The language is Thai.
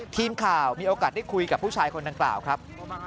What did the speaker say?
ทีมข่าวมีโอกาสได้คุยกับผู้ชายคนดังกล่าวครับ